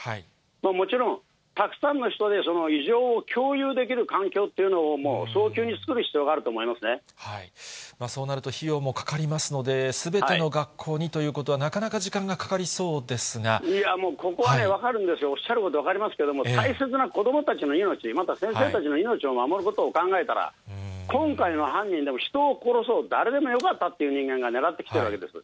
もちろん、たくさんの人でその以上を共有できる環境っていうのを早急に作るそうなると費用もかかりますので、すべての学校にということは、なかなか時間がかかりそうでいやもう、ここはもう分かるんですよ、おっしゃることは分かりますけど、大切な子どもたちの命、また先生たちの命を守ることを考えたら、今回の犯人でも、人を殺そうと、誰でもよかったっていう人間が狙ってきているわけです。